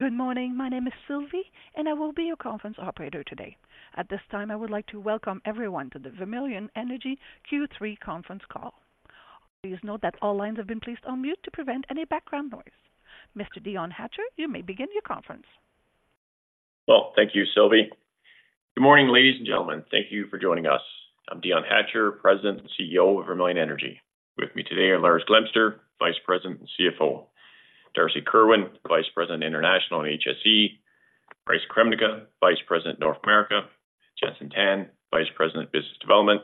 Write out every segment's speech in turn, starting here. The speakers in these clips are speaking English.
Good morning. My name is Sylvie, and I will be your conference operator today. At this time, I would like to welcome everyone to the Vermilion Energy Q3 conference call. Please note that all lines have been placed on mute to prevent any background noise. Mr. Dion Hatcher, you may begin your conference. Well, thank you, Sylvie. Good morning, ladies and gentlemen. Thank you for joining us. I'm Dion Hatcher, President and CEO of Vermilion Energy. With me today are Lars Glemser, Vice President and CFO, Darcy Kerwin, Vice President, International and HSE, Bryce Kremnica, Vice President, North America, Jenson Tan, Vice President, Business Development,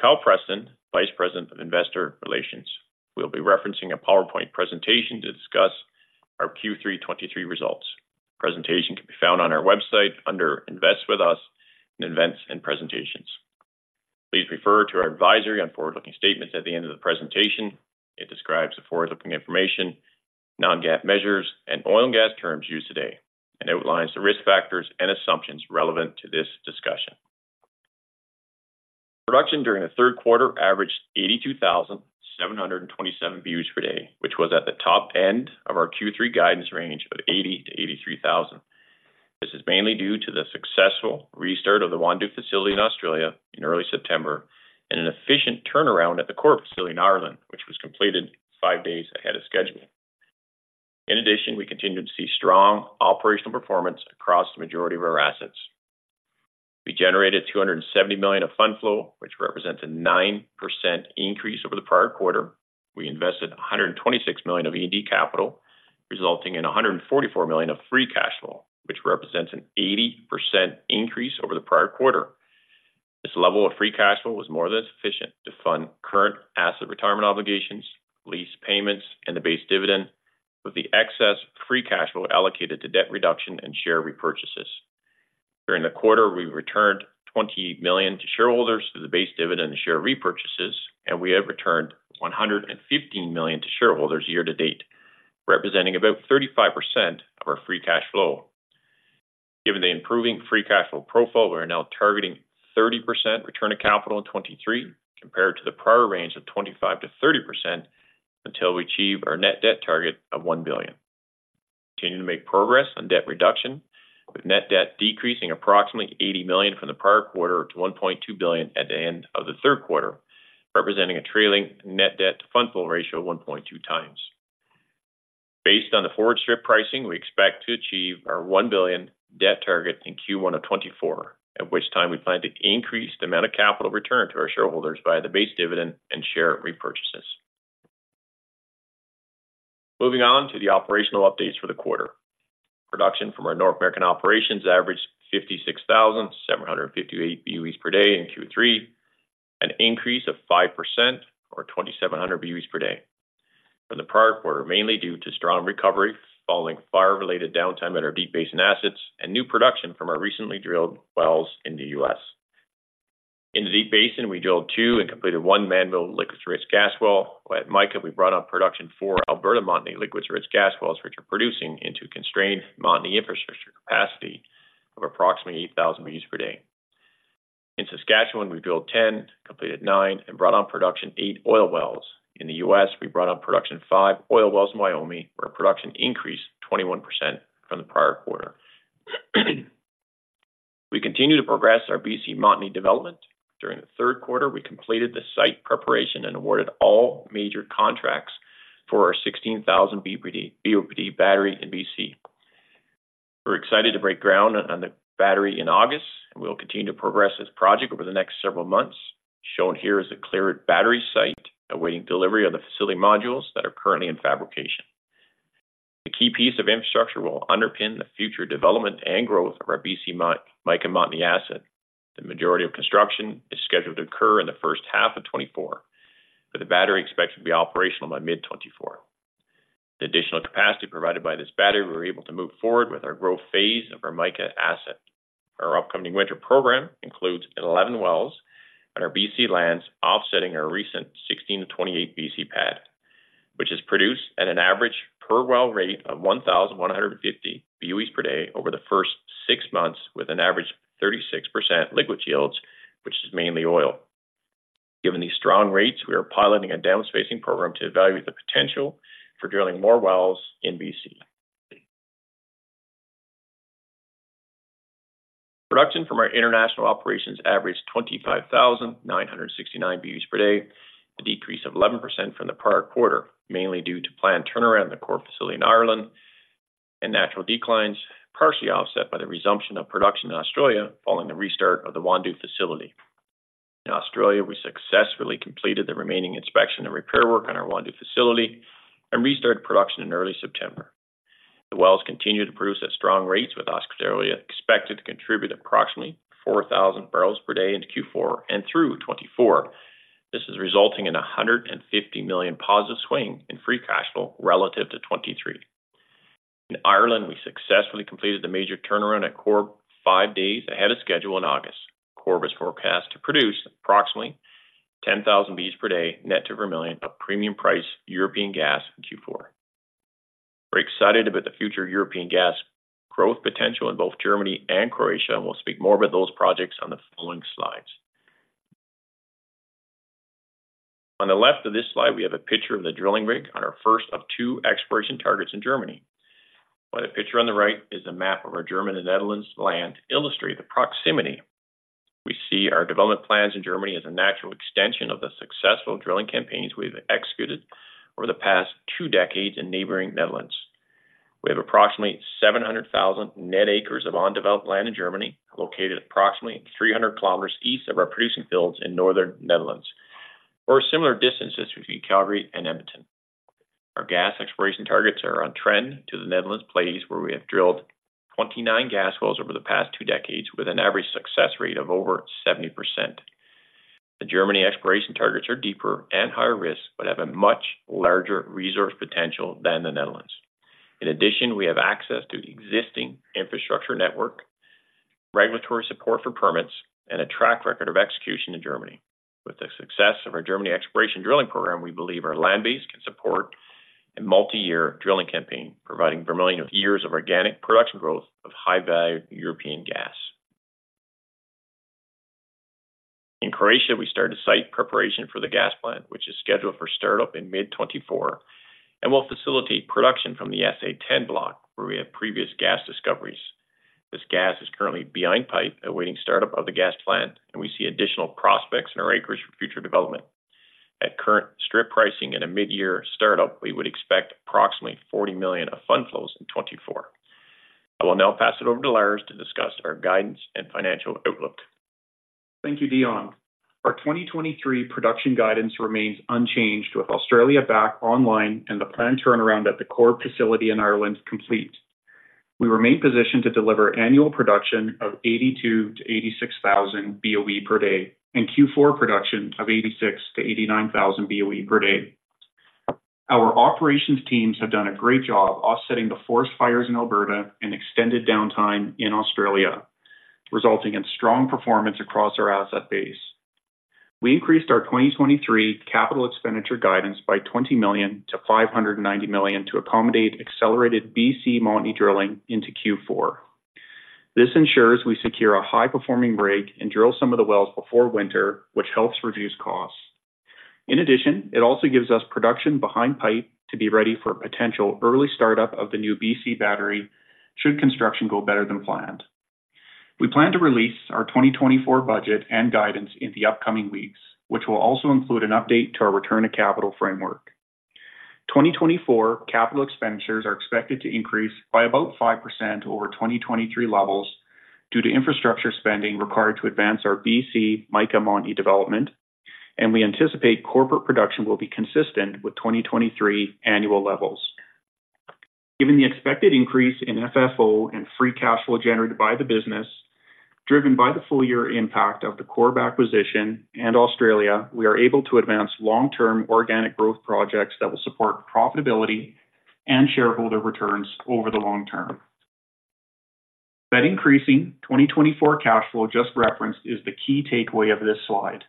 Kyle Preston, Vice President of Investor Relations. We'll be referencing a PowerPoint presentation to discuss our Q3 2023 results. Presentation can be found on our website under Invest With Us in Events and Presentations. Please refer to our advisory on forward-looking statements at the end of the presentation. It describes the forward-looking information, non-GAAP measures, and oil and gas terms used today, and outlines the risk factors and assumptions relevant to this discussion. Production during the third quarter averaged 82,727 BOEs per day, which was at the top end of our Q3 guidance range of 80,000-83,000. This is mainly due to the successful restart of the Wandoo facility in Australia in early September and an efficient turnaround at the Corrib facility in Ireland, which was completed five days ahead of schedule. In addition, we continued to see strong operational performance across the majority of our assets. We generated 270 million of fund flow, which represents a 9% increase over the prior quarter. We invested 126 million of E&D capital, resulting in 144 million of free cash flow, which represents an 80% increase over the prior quarter. This level of free cash flow was more than sufficient to fund current asset retirement obligations, lease payments, and the base dividend, with the excess free cash flow allocated to debt reduction and share repurchases. During the quarter, we returned 20 million to shareholders through the base dividend and share repurchases, and we have returned 115 million to shareholders year to date, representing about 35% of our free cash flow. Given the improving free cash flow profile, we are now targeting 30% return of capital in 2023, compared to the prior range of 25%-30%, until we achieve our net debt target of 1 billion. Continuing to make progress on debt reduction, with Net Debt decreasing approximately 80 million from the prior quarter to 1.2 billion at the end of the third quarter, representing a trailing Net Debt to fund flow ratio of 1.2x. Based on the forward strip pricing, we expect to achieve our 1 billion debt target in Q1 of 2024, at which time we plan to increase the amount of capital returned to our shareholders via the base dividend and share repurchases. Moving on to the operational updates for the quarter. Production from our North American operations averaged 56,758 BOEs per day in Q3, an increase of 5% or 2,700 BOEs per day from the prior quarter, mainly due to strong recovery following fire-related downtime at our Deep Basin assets and new production from our recently drilled wells in the U.S. In the Deep Basin, we drilled two and completed one Mannville liquids-rich gas well. At Mica, we brought up production for Alberta Montney liquids-rich gas wells, which are producing into constrained Montney infrastructure capacity of approximately 8,000 BOEs per day. In Saskatchewan, we drilled 10, completed nine, and brought on production eight oil wells. In the U.S., we brought on production five oil wells in Wyoming, where production increased 21% from the prior quarter. We continue to progress our B.C. Montney development. During the third quarter, we completed the site preparation and awarded all major contracts for our 16,000 BPD, BOPD battery in BC. We're excited to break ground on the battery in August, and we will continue to progress this project over the next several months. Shown here is a clear battery site awaiting delivery of the facility modules that are currently in fabrication. The key piece of infrastructure will underpin the future development and growth of our BC, Mica, Montney asset. The majority of construction is scheduled to occur in the first half of 2024, with the battery expected to be operational by mid-2024. The additional capacity provided by this battery, we're able to move forward with our growth phase of our Mica asset. Our upcoming winter program includes 11 wells on our BC lands, offsetting our recent 16-28 BC pad, which has produced at an average per well rate of 1,150 BOEs per day over the first six months, with an average 36% liquid yields, which is mainly oil. Given these strong rates, we are piloting a downspacing program to evaluate the potential for drilling more wells in BC. Production from our international operations averaged 25,969 BOEs per day, a decrease of 11% from the prior quarter, mainly due to planned turnaround in the Corrib facility in Ireland and natural declines, partially offset by the resumption of production in Australia following the restart of the Wandoo facility. In Australia, we successfully completed the remaining inspection and repair work on our Wandoo facility and restarted production in early September. The wells continue to produce at strong rates, with Australia expected to contribute approximately 4,000 bbl per day into Q4 and through 2024. This is resulting in 150 million positive swing in free cash flow relative to 2023. In Ireland, we successfully completed the major turnaround at Corrib, five days ahead of schedule in August. Corrib was forecast to produce approximately 10,000 BOEs per day, net to Vermilion, a premium price European gas in Q4. We're excited about the future European gas growth potential in both Germany and Croatia, and we'll speak more about those projects on the following slides. On the left of this slide, we have a picture of the drilling rig on our first of two exploration targets in Germany, while the picture on the right is a map of our German and Netherlands land, illustrate the proximity. We see our development plans in Germany as a natural extension of the successful drilling campaigns we've executed over the past two decades in neighboring Netherlands. We have approximately 700,000 net acres of undeveloped land in Germany, located approximately 300 km east of our producing fields in northern Netherlands, or similar distances between Calgary and Edmonton. Our gas exploration targets are on trend to the Netherlands plays, where we have drilled 29 gas wells over the past two decades with an average success rate of over 70%. The German exploration targets are deeper and higher risk but have a much larger resource potential than the Netherlands. In addition, we have access to existing infrastructure network, regulatory support for permits, and a track record of execution in Germany. With the success of our Germany exploration drilling program, we believe our land base can support a multi-year drilling campaign, providing Vermilion with years of organic production growth of high-value European gas. In Croatia, we started site preparation for the gas plant, which is scheduled for startup in mid-2024, and will facilitate production from the SA-10 block, where we have previous gas discoveries. This gas is currently behind pipe, awaiting startup of the gas plant, and we see additional prospects in our acres for future development. At current strip pricing and a mid-year startup, we would expect approximately 40 million of fund flows in 2024. I will now pass it over to Lars to discuss our guidance and financial outlook. Thank you, Dion. Our 2023 production guidance remains unchanged with Australia back online and the planned turnaround at the Corrib facility in Ireland complete. We remain positioned to deliver annual production of 82,000-86,000 BOE per day and Q4 production of 86,000-89,000 BOE per day. Our operations teams have done a great job offsetting the forest fires in Alberta and extended downtime in Australia, resulting in strong performance across our asset base. We increased our 2023 capital expenditure guidance by 20 million to 590 million to accommodate accelerated BC Montney drilling into Q4. This ensures we secure a high-performing rig and drill some of the wells before winter, which helps reduce costs. In addition, it also gives us production behind pipe to be ready for potential early startup of the new BC battery should construction go better than planned. We plan to release our 2024 budget and guidance in the upcoming weeks, which will also include an update to our return on capital framework. 2024 capital expenditures are expected to increase by about 5% over 2023 levels due to infrastructure spending required to advance our BC Mica Montney development, and we anticipate corporate production will be consistent with 2023 annual levels. Given the expected increase in FFO and free cash flow generated by the business, driven by the full year impact of the Corrib acquisition and Australia, we are able to advance long-term organic growth projects that will support profitability and shareholder returns over the long term. That increasing 2024 cash flow just referenced is the key takeaway of this slide,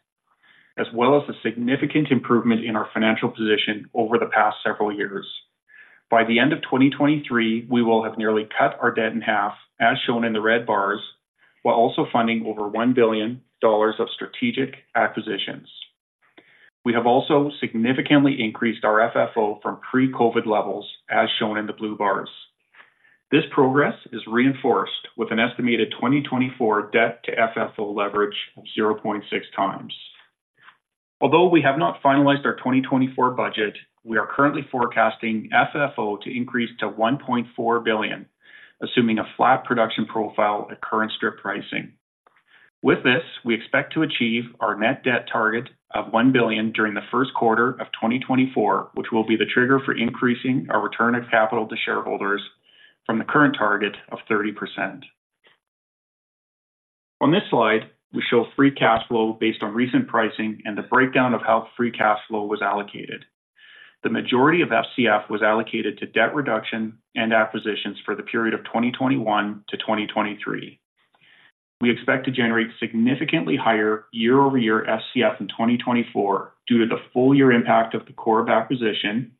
as well as the significant improvement in our financial position over the past several years. By the end of 2023, we will have nearly cut our debt in half, as shown in the red bars, while also funding over 1 billion dollars of strategic acquisitions. We have also significantly increased our FFO from pre-COVID levels, as shown in the blue bars. This progress is reinforced with an estimated 2024 debt to FFO leverage of 0.6x. Although we have not finalized our 2024 budget, we are currently forecasting FFO to increase to 1.4 billion, assuming a flat production profile at current strip pricing. With this, we expect to achieve our net debt target of 1 billion during the first quarter of 2024, which will be the trigger for increasing our return of capital to shareholders from the current target of 30%. On this slide, we show free cash flow based on recent pricing and the breakdown of how free cash flow was allocated. The majority of FCF was allocated to debt reduction and acquisitions for the period of 2021 to 2023. We expect to generate significantly higher year-over-year FCF in 2024 due to the full year impact of the Corrib acquisition,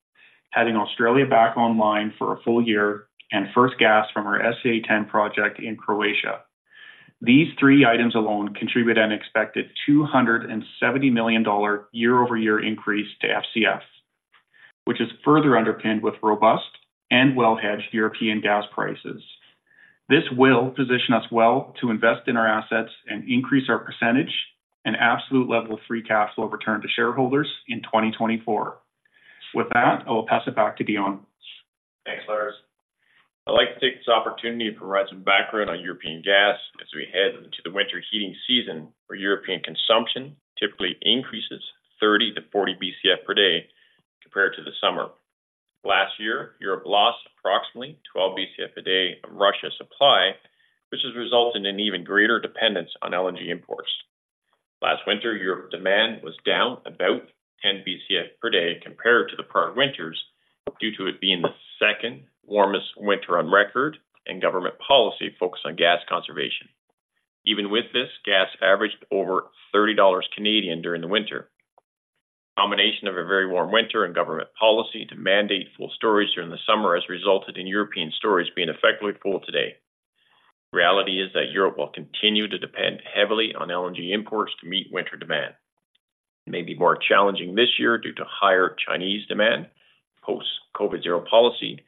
having Australia back online for a full year, and first gas from our SA-10 project in Croatia. These three items alone contribute an expected 270 million dollar year-over-year increase to FCF, which is further underpinned with robust and well-hedged European gas prices. This will position us well to invest in our assets and increase our percentage and absolute level of free cash flow return to shareholders in 2024. With that, I will pass it back to Dion. Thanks, Lars. I'd like to take this opportunity to provide some background on European gas as we head into the winter heating season, where European consumption typically increases 30-40 BCF per day compared to the summer. Last year, Europe lost approximately 12 BCF a day of Russia supply, which has resulted in an even greater dependence on LNG imports. Last winter, Europe demand was down about 10 BCF per day compared to the prior winters, due to it being the second warmest winter on record and government policy focused on gas conservation. Even with this, gas averaged over 30 Canadian dollars during the winter. A combination of a very warm winter and government policy to mandate full storage during the summer has resulted in European storage being effectively full today. The reality is that Europe will continue to depend heavily on LNG imports to meet winter demand. It may be more challenging this year due to higher Chinese demand, post-COVID Zero policy,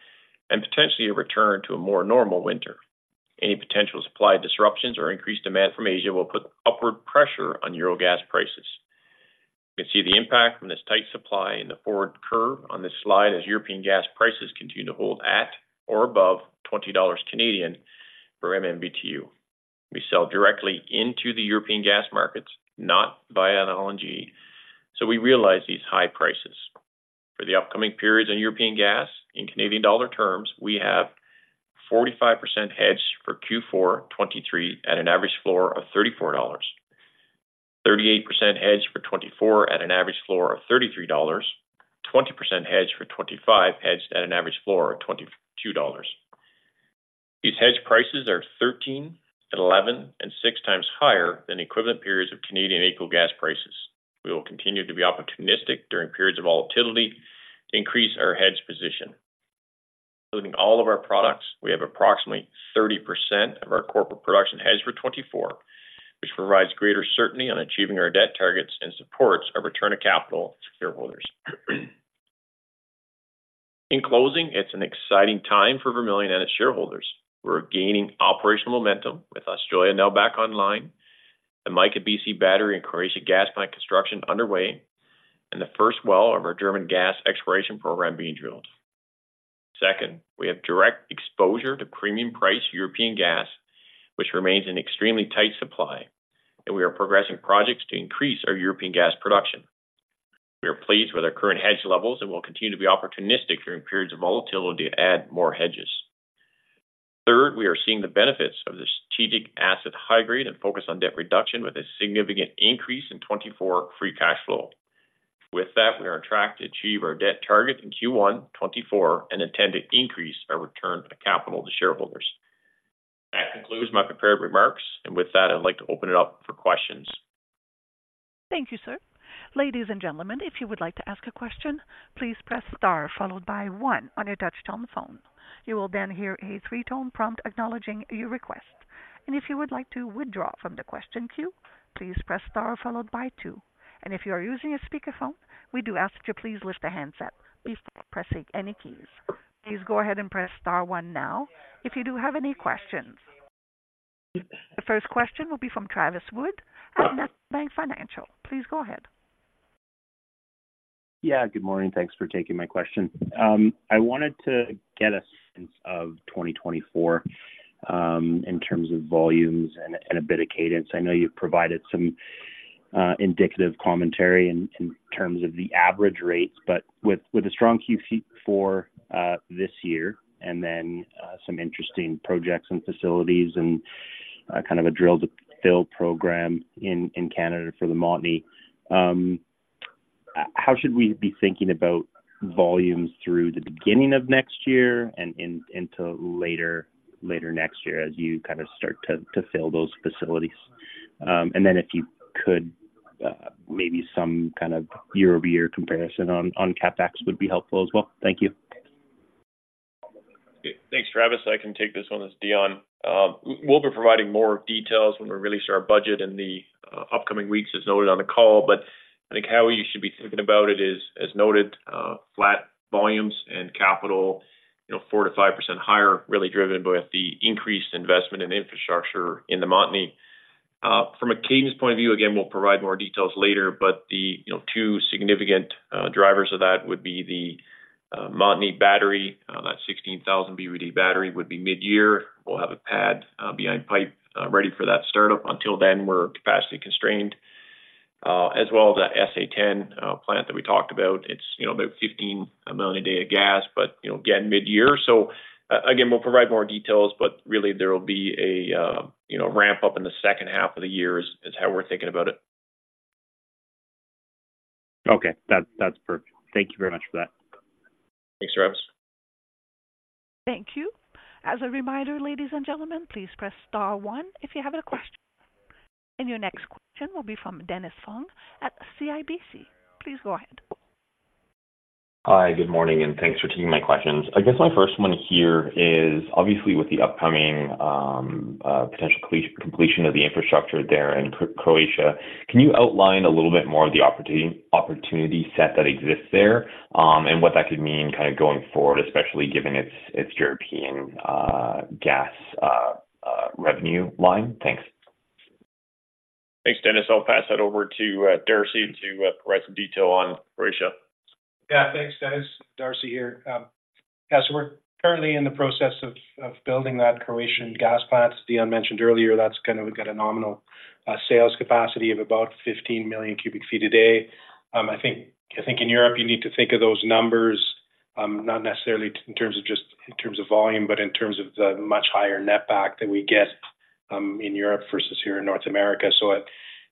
and potentially a return to a more normal winter. Any potential supply disruptions or increased demand from Asia will put upward pressure on Euro gas prices. You can see the impact from this tight supply in the forward curve on this slide, as European gas prices continue to hold at or above 20 Canadian dollars per MMBtu. We sell directly into the European gas markets, not via an LNG, so we realize these high prices. For the upcoming periods in European gas, in Canadian dollar terms, we have 45% hedged for Q4, 23 at an average floor of 34 dollars, 38% hedged for 2024 at an average floor of 33 dollars, 20% hedged for 2025, hedged at an average floor of 22 dollars. These hedge prices are 13x, 11x, and 6x higher than equivalent periods of Canadian AECO gas prices. We will continue to be opportunistic during periods of volatility to increase our hedge position. Including all of our products, we have approximately 30% of our corporate production hedged for 2024, which provides greater certainty on achieving our debt targets and supports our return of capital to shareholders. In closing, it's an exciting time for Vermilion and its shareholders. We're gaining operational momentum, with Australia now back online, the Mica BC Battery and Croatia gas plant construction underway, and the first well of our German gas exploration program being drilled. Second, we have direct exposure to premium price European gas, which remains in extremely tight supply, and we are progressing projects to increase our European gas production. We are pleased with our current hedge levels and will continue to be opportunistic during periods of volatility to add more hedges. Third, we are seeing the benefits of the strategic asset high grade and focus on debt reduction with a significant increase in 2024 free cash flow. With that, we are on track to achieve our debt target in Q1 2024 and intend to increase our return on capital to shareholders. That concludes my prepared remarks, and with that, I'd like to open it up for questions. Thank you, sir. Ladies and gentlemen, if you would like to ask a question, please press star followed by one on your touchtone phone. You will then hear a three-tone prompt acknowledging your request. If you would like to withdraw from the question queue, please press star followed by two. If you are using a speakerphone, we do ask that you please lift the handset before pressing any keys. Please go ahead and press Star one now if you do have any questions. The first question will be from Travis Wood at National Bank Financial. Please go ahead. Yeah, good morning. Thanks for taking my question. I wanted to get a sense of 2024 in terms of volumes and a bit of cadence. I know you've provided some indicative commentary in terms of the average rates, but with a strong Q4 this year, and then some interesting projects and facilities and kind of a drill to fill program in Canada for the Montney, how should we be thinking about volumes through the beginning of next year and into later next year as you kind of start to fill those facilities? And then if you could maybe some kind of year-over-year comparison on CapEx would be helpful as well. Thank you. Thanks, Travis. I can take this one. This is Dion. We'll be providing more details when we release our budget in the upcoming weeks, as noted on the call. But I think how you should be thinking about it is, as noted, flat volumes and capital, you know, 4%-5% higher, really driven with the increased investment in infrastructure in the Montney. From a cadence point of view, again, we'll provide more details later, but the, you know, two significant drivers of that would be the Montney battery. That 16,000 BOE battery would be mid-year. We'll have a pad behind pipe ready for that startup. Until then, we're capacity constrained, as well as that SA-10 plant that we talked about. It's, you know, about 15 million a day of gas, but, you know, again, mid-year. So, again, we'll provide more details, but really there will be a, you know, ramp up in the second half of the year is, is how we're thinking about it. Okay. That, that's perfect. Thank you very much for that. Thanks, Travis. Thank you. As a reminder, ladies and gentlemen, please press star one if you have a question. Your next question will be from Dennis Fong at CIBC. Please go ahead. Hi, good morning, and thanks for taking my questions. I guess my first one here is, obviously, with the upcoming potential completion of the infrastructure there in Croatia, can you outline a little bit more of the opportunity set that exists there, and what that could mean kind of going forward, especially given its European gas revenue line? Thanks. Thanks, Dennis. I'll pass that over to Darcy to provide some detail on Croatia. Yeah, thanks, Dennis. Darcy here. Yeah, so we're currently in the process of building that Croatian gas plant. As Dion mentioned earlier, that's kind of got a nominal sales capacity of about 15 million cubic feet a day. I think in Europe, you need to think of those numbers not necessarily in terms of volume, but in terms of the much higher netback that we get in Europe versus here in North America. So, you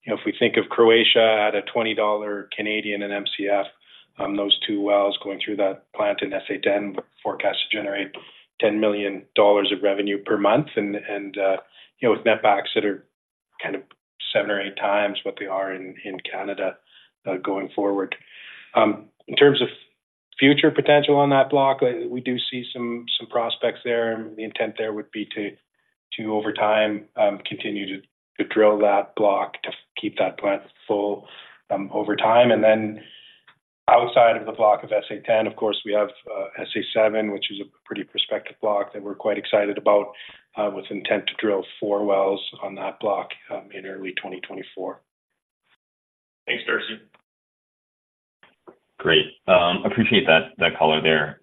know, if we think of Croatia at 20 Canadian dollars per MCF, those two wells going through that plant in SA-10, forecast to generate 10 million dollars of revenue per month, and you know, with netbacks that are kind of 7x or 8x what they are in Canada, going forward. In terms of-... Future potential on that block, we do see some prospects there, and the intent there would be to over time continue to drill that block, to keep that plant full over time. And then outside of the block of SA-10, of course, we have SA-7, which is a pretty prospective block that we're quite excited about, with intent to drill four wells on that block in early 2024. Thanks, Darcy. Great. Appreciate that, that color there.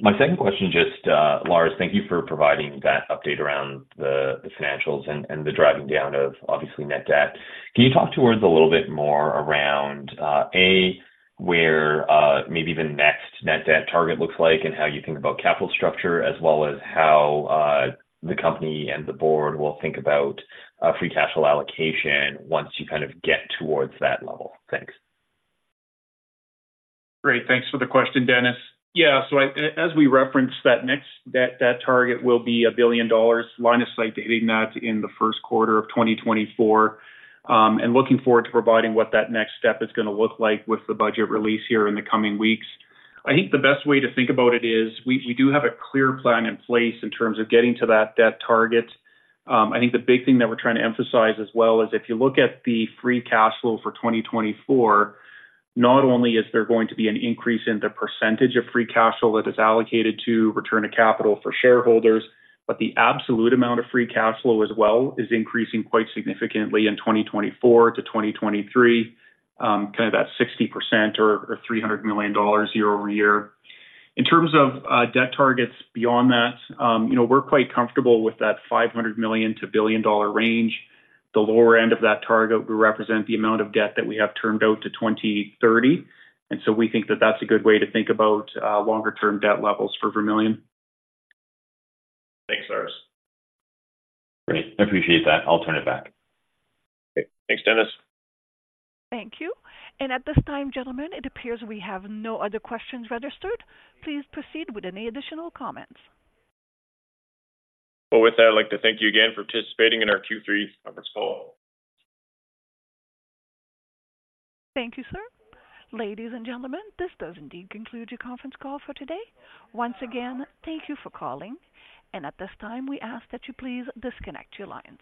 My second question, just, Lars, thank you for providing that update around the financials and the driving down of obviously Net Debt. Can you talk to us a little bit more around where maybe the next Net Debt target looks like and how you think about capital structure, as well as how the company and the board will think about Free Cash Flow allocation once you kind of get towards that level? Thanks. Great. Thanks for the question, Dennis. Yeah, so as we referenced, that next target will be 1 billion dollars line of sight to hitting that in the first quarter of 2024. And looking forward to providing what that next step is going to look like with the budget release here in the coming weeks. I think the best way to think about it is, we do have a clear plan in place in terms of getting to that debt target. I think the big thing that we're trying to emphasize as well is, if you look at the free cash flow for 2024, not only is there going to be an increase in the percentage of free cash flow that is allocated to return to capital for shareholders, but the absolute amount of free cash flow as well is increasing quite significantly in 2024 to 2023, kind of that 60% or three hundred million dollars year-over-year. In terms of debt targets beyond that, you know, we're quite comfortable with that 500 million-1 billion dollar range. The lower end of that target will represent the amount of debt that we have termed out to 2030, and so we think that that's a good way to think about longer-term debt levels for Vermilion. Thanks, Lars. Great. I appreciate that. I'll turn it back. Thanks, Dennis. Thank you. At this time, gentlemen, it appears we have no other questions registered. Please proceed with any additional comments. Well, with that, I'd like to thank you again for participating in our Q3 conference call. Thank you, sir. Ladies and gentlemen, this does indeed conclude your conference call for today. Once again, thank you for calling. At this time, we ask that you please disconnect your lines.